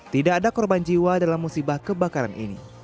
tidak ada korban jiwa dalam musibah kebakaran ini